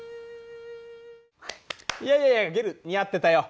いやいやいやゲル似合ってたよ。